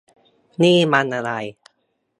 นี่มันอะไร ?